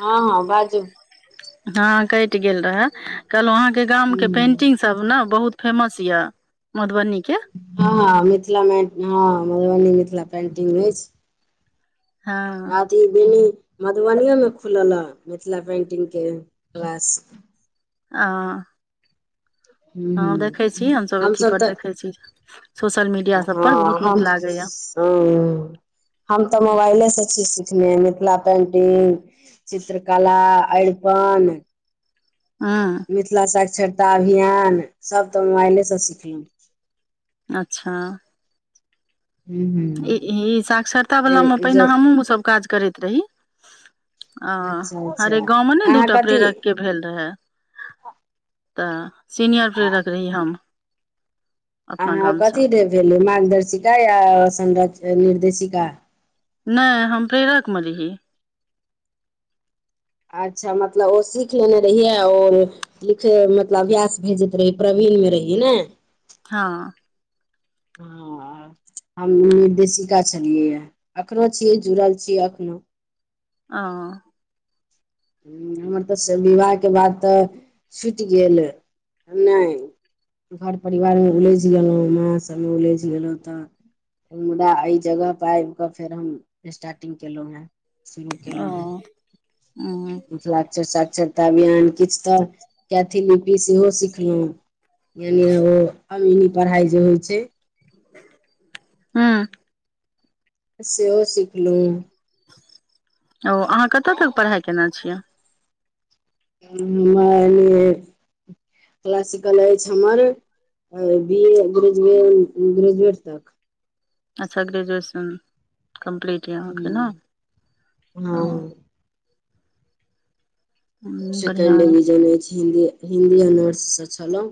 हँ - हँ बाजू हँ कैट गेल रहै कहलहुँ अहाँकेँ गाम केँ हूँ पेंटिंग सब नऽ बहुत फेमस यऽ मधुबनी केँ हँ मिथिलामे हँ मधुबनी मिथिला पेन्टिंग अछि हँ तऽ बेनी मधुबनी मे खुल ह मिथिला पेन्टिंग केँ क्लास आ हूँ हँ हूँ देखै छी हम सभ अथी हमसभ पर तऽ देखे छी [inaudible] सोशल मीडिया सब पर हँ बहुत नीक हम लागैया [inaudible] ह हम तऽ मोबाइले से छी में मिथिला पेंटिंग चित्रकला अरिपन हँ मिथिला साक्षरता अभियान सभ तऽ मोबाइलेसँ सिखलु अच्छ हूँ ई हूँ ई साक्षरता वला में पहिने जे हमहूँ सभ काज करैत रही आ अच्छा अच्छा हरे गाँव में ने अहाँ दूटा कथी प्रेरक केँ भेल रहे [inaudible] तऽ सीनियर आ प्रेरक रही हम अपना अहाँ कथी गामसँ र भेलियै मार्गदर्शिका या संर निर्देशिका नै हम प्रेरक म रही अच्छा मतलब ओ सीख लेने रहियै आ ओर लिखे मतलब अभ्यास भेजैत रही प्रवीणमे रहियै न हँ हँ हम निर्देशिका छलियै ह एखनो छियै जुड़ल छियै एखनो अ हमर तऽ विवाह केँ बाद तऽ छुट गेल हम नै घर परिवारमे उलझि गेलौ माँ सभमे उलझि गेलौ तऽ मुदा एहि जगह पर आइब कऽ फेर हम स्टार्टिंग केलौ है शुरू केलौ हँ ओ मिथिलाक्षर साक्षरता अभियान किछु तऽ कैथी लिपि सेहो सिखलु यानि ओ अमीनी पढ़ाई जे होइ छै [inaudible] हँ सेहो सिखलू ओ अहाँ कतऽ तक पढ़ाई केने छियै [unintelligible] क्लासिकल अछि हमर बी ए ग्रेजुए ग्रेजुएट तक अच्छ ग्रेजुएशन कम्पलीट यऽ अहाँकेँ न हँ ह बढ़िआँ सेकेंड यए डिविजन ऐछ हिन्दी हिन्दी ऑनर्स स छेलों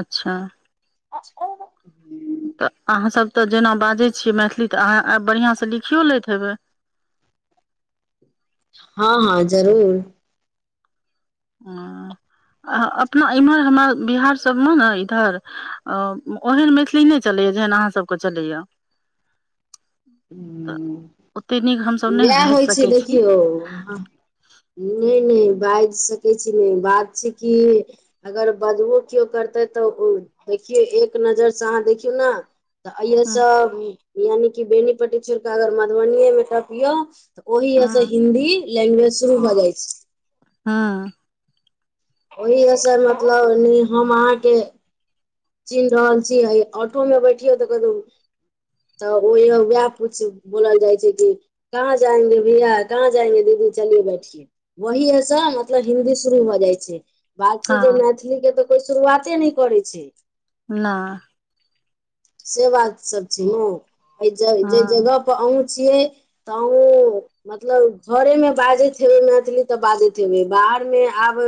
अच्छा [unintelligible] तऽ अहाँ सभ तऽ जेना बाजैत छियै मैथिली तऽ अहाँ आब बढ़िआँसँ लिखियओ लैत हेबै हँ हँ जरूर [inaudible] अपना इम्हर हमरा बिहार सभ मे न इधर ओहन मैथिली नै चलैए जेहन अहाँ सभ केँ चलैए [unintelligible] तऽ ओतेक नीक [inaudible] हमसभ नहि उहै बाजि होइ छै सकै छी देखियौ नै नै बाजि सकै छी नै बात छै कि अगर बजबो केओ करतै तऽ ओ देखियौ एक नजरिसँ अहाँ देखियौ ना तऽ हँ अइसँ यानिकि बेनीपट्टी छोड़ कऽ अगर मधुबनिए में टपियौ ओहि हँ यऽ स हिन्दी लैंग्वेज शुरू भऽ जाइ छै हँ ओहिसँ मतलब नै हम अहाँकेँ चिन्ह रहल छी आ ऑटो मे बैठियो तऽ कतहु तऽ ओ वएह पूछ बोलल जाइ छै कि कहाँ जाएंगे भैया कहाँ जाएंगे दीदी चलियए बैठिेए वही हस मतलब हिन्दी शुरू हो जाइ छै बात छै जे हँ मैथिलीके तऽ कोइ शुरुआते नहि करै छै नहि से बात सब छै नऽ एहि जे हँ जगह [unintelligible] छियै तऽ आहू मतलब घरे मऽ बाजैत हेबै मैथिली तऽ बाजैत हेबै बाहर मे आब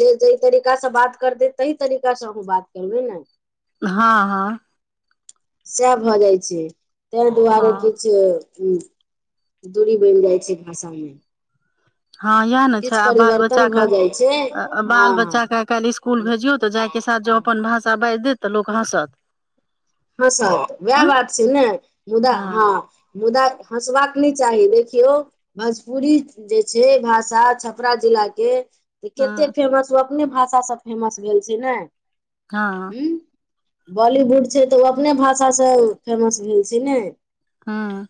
जे जेहि तरीका से बात करते ताहि तरीकास से हम बात करबै नऽ हँ हँ सएह भऽ जाइत छै ताहि दुआरे हँ किछ ह दूरी बनि जाइ छै भाषामे हँ इएह नऽ छै किछु आ बाल परिवर्तन भऽ बच्चाके जाइ छै बाल बच्चा हँ के काल्हि स्कुल भेजियो तऽ जाय के साथ जॉब अपन भाषा बाजि देत तऽ लोक हँसत हँ स हँ वएह बात छै नऽ मुदा हँ मुदा हँसबाक नहि चाही देखियौ भोजपुरी जे छै भाषा छपरा जिलाके तऽ हँ कतेक फेमस ओ अपने भाषासँ फेमस भेल छैय ने हँ हूँ बॉलीवुड छै तऽ ओ अपने भाषासँ फेमस भेल छै ने हँ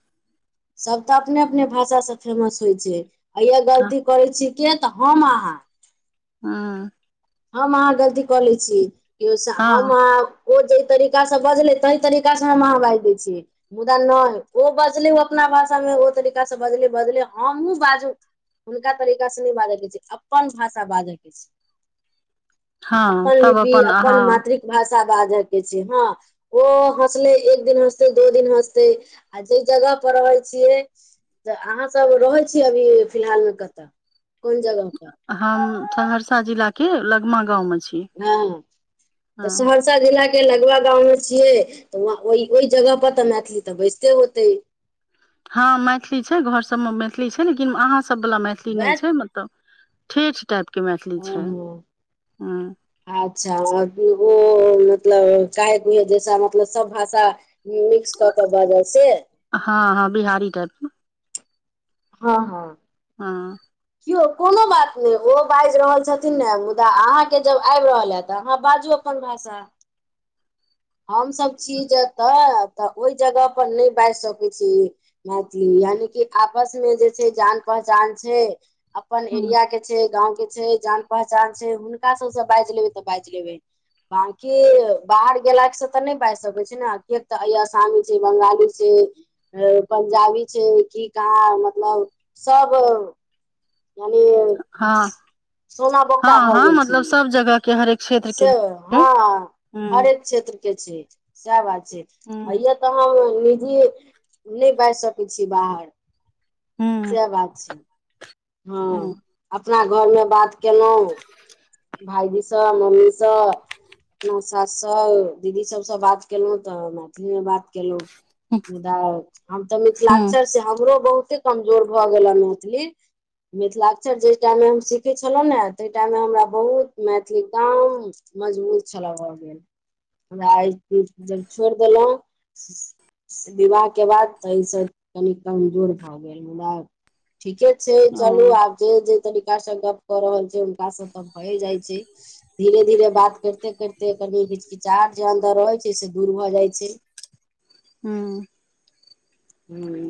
सभ तऽ अपने अपने भाषा सऽ फेमस होइ छै आ यह गलती करैत छी के तऽ हम अहाँ हँ हम अहाँ गलती कऽ लै छी कि हम हँ अहाँ ओ जे तरीका सऽ बजले तई तरीका से हम अहाँ बाजि दै छियै मुदा नहि ओ बजले ओ अपना भाषामे ओ तरीकासँ बजले बजले हमहुूँ बाजू हुनका तरीका से नहि बाजय कऽ छै अपन भाषा बाजय के छै हँ अपन तब लिपि अपन अहाँ अपन मातृक भाषा बाजै के छै हँ ओ हँसलै एक दिन हँसतै दो दिन हँसतै आ जे जगह पर रहै छियै तऽ अहाँ सब रहै छीियै अभी फिलहाल मऽ कतऽ कोन जगह पर हम सहरसा जिलाके लगमा गामवमे छी हँ तऽ हँ सहरसा सहरसा जिला के लगवा गाँव मे छियै तऽ वह ओहि जगह पर तऽ मैथिली तऽ बैजते होते हँ मैथिली छै घर सभमे मैथिली छै लेकिन अहाँसभ वला मैथिली नहि वैह छै तऽ ठेठ टाईप कऽ ओहो अच्छा ओ मतलब काहे कु जैसा मतलब सब भाषा मिक्स कऽ के बाजल से हँ हँ बिहारी टाईप मऽ हँ हँ हँ केओ कोनो बात नय ओ बाइज रहल छथिन ने मुदा अहाँकेँ जब आइब रहल हे तऽ अहाँ बाजू पन भषा हम सब छी जतऽ तऽ ओहि जगह पर नय बाइज सकै छी मैथिली यानि की आपस मे जे छै जान पहचान छै अपन एरिया केँ छै गाँव केँ छै जान पहचान छै हुनका सब सँ बाइज लेबै तऽ बाइज लेबै बाकी बाहर गेला से तऽ नय बाजि सकै छी नऽ किएक तऽ ई आसामी छै बंगाली छै जे पंजाबी छै की कहाँ मतलब सब। माने हँ सोना बोकटा हँ भऽ हँ गेल छै ई [unintelligible] जगह केँ हरेक क्षेत्र के से हँ हरेक क्षेत्र केँ छै सैह बात। जे होइ हँ यऽ तऽ हम निजीये नय बाजि सकै छी बाहर हँ सेह बात छै हँ अपना घरमे बात केलहुँ [inaudible] भायजी सँ मम्मी सँ अपना सास सँ दीदी सबसँ बात केलहुँ तऽ मैथिलीमे बात केलहुँ मुदा हम तऽ हँ मिथिलाअक्षर सँ हमरो बहुते कमजोर भऽ गेला हन मैथिली। मिथिलाक्षर जै टाइम मे हम सीखे छलहुँ नऽ तहि टाइममे हमरा बहुत मैथिली गाम मजबूत छलै भऽ गेल हमरा आइ [unintelligible] छोड़ देलहुँ विवाह केँ बाद तऽ ई सब कनि कमजोर भऽ गेल मुदा ठीके छैय। चलू ओ आब जे जे तरीका से गप कऽ रहल छैय। हुनका सँ तऽ भए जाय छैय। धीरे धीरे बात करते करते कनि हिचकिचाहट जे अन्दर रहै छै से दूर भऽ जाइ छै हुँ हुँ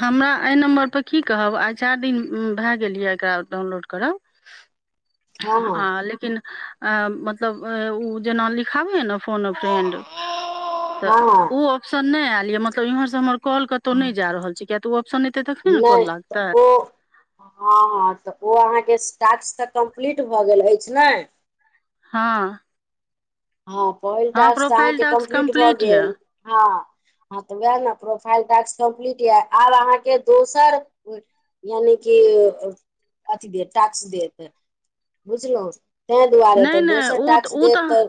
हमरा एहि नम्बरपर की कहब आइ चाइर दिन भैय गेल य एकरा डाउनलोड करब [inaudible] आ हँ लेकिन अ मतलब उ जेना लिखाबय हैय नऽ फोन अऽ फ्रेंड तऽ हँ उ ऑप्शन नय ऐल यऽ मतलब इमहर काॅल कत्तौ हँ नय। जा रहल छी किय तऽ ओ ऑप्शन एतै तखने न प काॅल नहि लागतै। तऽ ओ हँ हँ तऽ ओ अहाँकेँ टाक्स तऽ कम्पलिट मऽ टाॅक्स तऽ कम्प्लीट भए गेल अछि ने हँ हँ पहिल हँ टाॅस्क तऽ प्रोफाइल अहाँकेँ टास्क कम्प्लीट भऽ गेल यऽ हँ हँ तऽ वएह ने प्रोफाइल टाॅस्क कम्प्लीट य आब अहाँके दोसर। यानि कि अथी दे टाॅक्स देत बुझलो ते दुआरे नहि तऽ दोसर टाॅक्स देत तऽ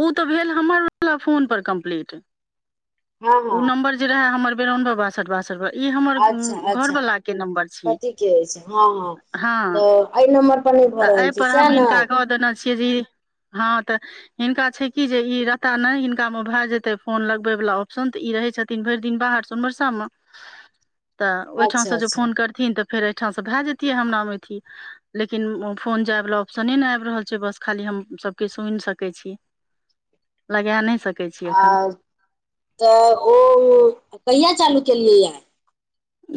उ तऽ भैल हमर वला फोन पर कम्प्लीट। हँ उ हँ नम्बर जे रहै हम र इ हमर अच्छा अच्छा घरवाला केँ नंम्बर छी पतिके अछि हँ हँ। तऽ एहि नम्बरपर नहि भऽ तऽ रहल छै एहिपर सएह हम ने हिनका कऽ दऽ देने छियै जे। हँ तऽ हिनका छै की जे ई रहता नय हिनका मे भए जेते फोन लगबे वला आ उ सन ई रहय छथिन भरि दिन बाहर सोनबरसा मऽ तऽ ओहिठाम अच्छा से जो अच्छा फोन कर। न तऽ फेर एहिठामसँ भए जैतियै हमरा मे अथी। लेकिन फोन जाय वाला ऑप्शने नय आबि रहल छै बस खाली हम सबके सुनि सकै छी। [inaudible] लगा नहि सकै छी आ एखन तऽ ओ कहिया चालू केलियै य।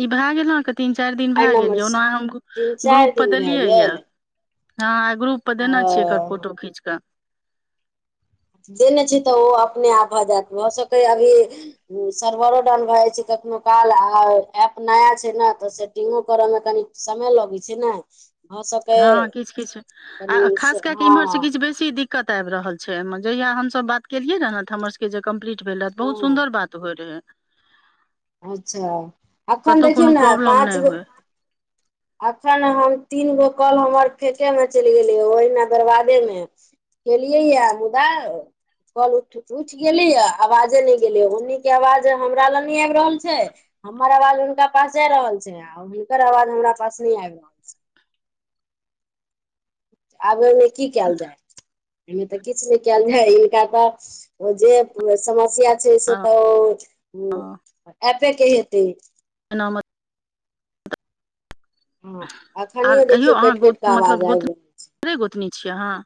ई भए गेल अके तीन चारि दिन एहि भए गेल यए नम्बरसँ ओना हम तीन चारि ग्रुपपर दिन भए देलियै यए। गेल हँ आय ग्रुप पर देने छीयै एकर हँ फोटो खींच कऽ। देने छी तऽ ओ अपने आप भऽ जायत भऽ सकै अभी। सर्वरो डाउन भए जाइ छै कखनो काल आ एप नया छै ने तऽ से। इको करऽ मऽ कनी समय लगै छै नऽ हँ किछ किछ आ कनि से खास कए कऽ हँ इम्हर से किछ बेसी दिक्क। दिक्कत आबि रहल छै एहिमे जहिया हमसब बात केलियै रह नऽ तऽ हमर। के जे कम्प्लीट भेलै बहुत हँ सुन्दर बात होय रहै अच्छा एखन कतहु देखियौ कोनो नऽ प्रॉब्लम पाँच नहि गो होय अखन हम तीन गो कल हमर फेके में चलि गेलिय ओहिमे बरबादे मऽ केेलिय यऽ मुदा कॉल उठ उठि गेली आवाजे नहि गेलिय ओन्नी के आवाज हमरा लग नहि आबि रहल छै हमर आवाज हुनका पास जाय रहल छै हुनकर आवाज हमरा पास नहि आबि रहल छै। आब ओमे की कयल जाय। एहिमे तऽ किछ नऽ कयल जाय हिनका तऽ ओ जे समस्या। से तऽ ओ एपे कऽ हेतै। एना मऽ हँ आर अखनियो कहियो देखियौ अहाँ कटि गो कटि कऽ मतलब [unintelligible] आवाज आबि रहल छै गोतनी छियै अहाँ।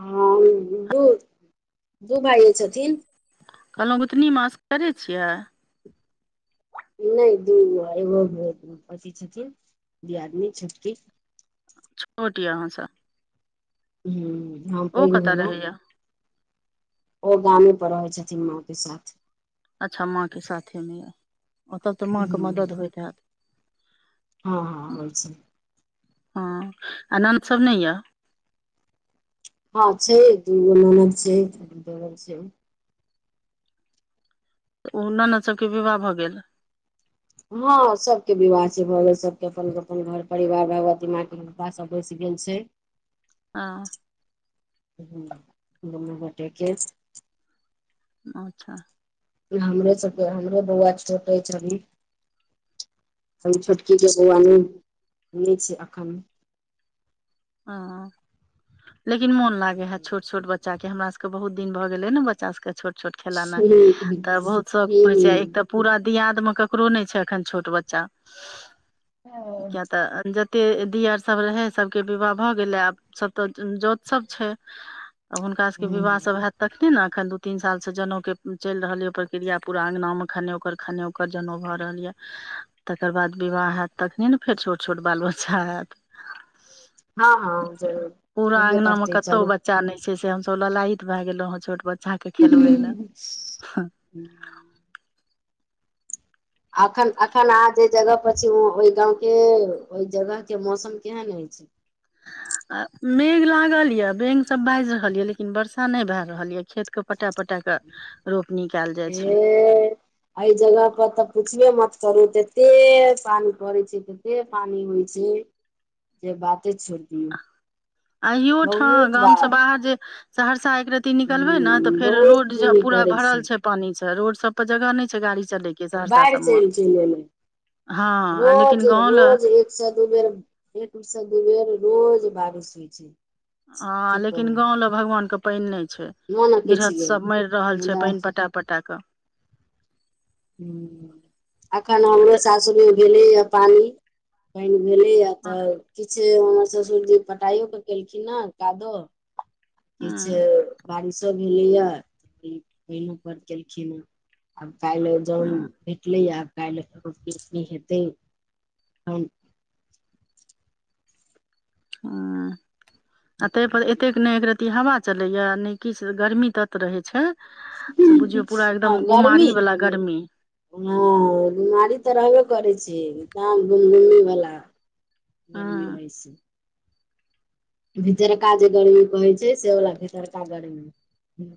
हम दू दू भाइए छथिन कहलहुँ गोतनी मऽ असगरे छियै नहि दूगो एगो अथि छथिन दियादनी छोटकी छोट यऽ आहाँस हू हम ओ पेग कतऽ भेलहुँ रहैया ओ गामे पर रहै छथिन माँ कऽ साथ अच्छा माँ कऽ साथे मे यऽ ओतय तऽ माँके हूं मदद होइत हैत हँ हँ होइ छै हँ आ ननेद सब नहि यऽ हँ छै दू गो ननद छै देवर छै ओ ननेद सबके विवाह भऽ गेल हँ सबके विवाह भऽ गेल सबके अपन अपन घर परिवार भगवती माँ के कृपा सऽ बैसि गेल छै हँ हू दूनू गोटेक के अच्छा हमरे छ हमरे बौआ छोटे छै छोटकी बऊआ नहि छै एखन हँ लेकिन मोन लागे है छोट छोट बच्चा के हमरा सबके के बहुत दिन भऽ गेले ने बच्चा सबके छोट छोट खेला ह तऽ बहुत शौक ह होइ छै एक ह तऽ पूरा दियादमे ककरो नहि छै अखन छोट बच्चा हँ किया तऽ एते दियर सब रहे सभके विवाह भऽ गेलै आब सभ तऽ जोत सभ छै आब हुनका सबके विवाह सब हयत तखने ने अखन दू तीन साल से जनेउ के चलि रहल य प्रक्रिया पूरा अंगगना मे खने ओकर खने ओकर जनेउ भऽ रहल ये तकर बाद विवाह हयत तखने ने फेर छोट छोट बाल बच्चा हयत हँ हँ जरूर पूरा हेबे अंगना मे करतेै कतौ चलू बच्चा नहि छै से हमसभ ललायत भए गेलहु हँ छोट बच्चा कऽ खेलबै ल अखन अखन आहाँ जे जगह प ओहि गाँं के ओहि जगह के मौसम केहन ऐछ [unintelligible] मेघ लागल ये बैंग सब बाजि रहल ये लेकिन वर्षा नहि भय रहल ये खेत कऽ पटा पटा कऽ रोपनी कल जाय ए छै एहि जगह पर तऽ पूछबे मत करू एते पानी पड़ै छै ओते पानी होइ छै जे बाते छोड़ दियौ अहिो ठाँ बहुत गाम बा से ह बाहर जे सहरसा एक रह पी निकलबे ने ते फेर बहुत रोड पानी पूरा पड़ै भरल छै पानी से रोड सब पर जगह न छै गाड़ी चले के आ सहरसा बाढ़ि सब मे चलि चल ए हँ लेकिन रोज गाँव ले रोज एक उरषद उबेर एक वर्षद उबेर रोज बारिश होइ छै ह की लेकिन कहू गाँंव लऽ भगवान के पानि नहि छै मोन अकैछ गृहस्थ गेल सब मरि रहल छै मुदा पानि पटा पटाक ह अखन हमरो तऽ सासुर मऽ भेलेए पानि पानि भेले य तऽ ह किछु हमर ससुरजी पटाइयो के केलखिन ने कादो किछ बारिशो भेलैया पईनो पर केलखिन हऽ काइल जोन ह भेटलै आब काल्हि नहि हेतैन हऽ आ ताहि पर एतेक नहि रती हवा चले या ने किछ गर्मी तत रहे छै से बुझियौ पूरा हँ एकदम गर्मी गुमारी वाला गर्मी हँ बीमारी तऽ रहबे करै छइ एकदम गुमगुमी वला हँ गर्मी होई छै भीतरका जे गर्मी कहै छै सेवला भितरका गर्मी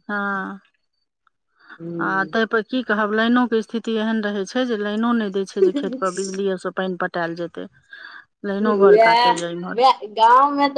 हँ आ हूं ते पर की कहब लाइनो के स्थिति एहन रहे छैय जे लाइनो न देय छैय जे खेत पर बिजलीेयो स पानि पटायल जेतइ लाइनो बड़ काटैया इम्हर गाँवमें तऽ